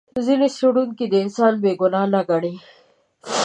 ځینې څېړونکي انسان بې ګناه نه ګڼي.